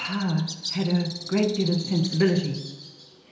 Parr had a great deal of sensibility.